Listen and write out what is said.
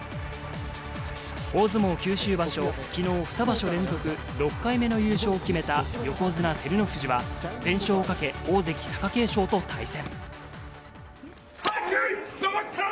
大相撲九州場所、きのう２場所連続６回目の優勝を決めた横綱・照ノ富士は、全勝をかけ、大関・貴景勝と対戦。